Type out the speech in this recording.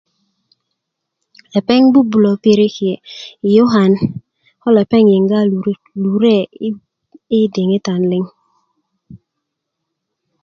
lepeŋ bubulö piriki' yi yukan ko lepeŋ yinga lur lure' i i diŋi diŋitan liŋ